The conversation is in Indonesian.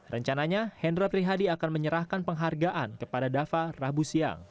rencananya henrar prihadi akan menyerahkan penghargaan kepada dava rahbusiang